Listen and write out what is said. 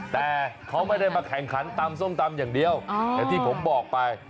แต่เขาไม่ได้มาแข่งขันตำส้มตำอย่างเดียวอย่างที่ผมบอกไป